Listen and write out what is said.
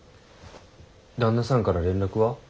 旦那さんから連絡は？